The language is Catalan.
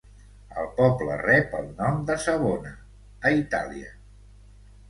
El poble rep el nom de Savona, a Itàlia.